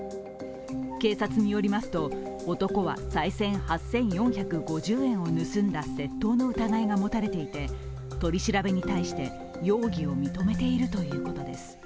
警察によりますと、男はさい銭８４５０円を盗んだ窃盗の疑いが持たれていて、取り調べに対して容疑を認めているということです。